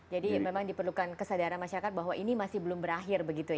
jadi memang diperlukan kesadaran masyarakat bahwa ini masih belum berakhir begitu ya